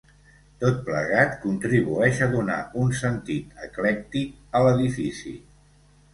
Tot plegat contribueix a donar un sentit eclèctic a l'edifici.